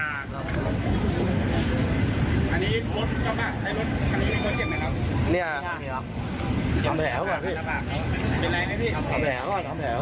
อันนี้อันนี้อ่ะทำแผลก่อนพี่เป็นไรไหมพี่ทำแผลก่อนทำแผลก่อน